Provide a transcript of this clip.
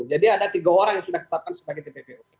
jadi ada tiga orang yang sudah kita tetapkan sebagai tpu